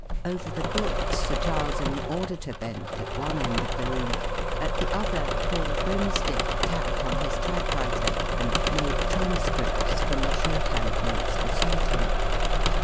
Over the books Sir Charles and the auditor bent at one end of the room; at the other Paul Grimsdick tapped on his typewriter and made transcripts from the shorthand notes beside him.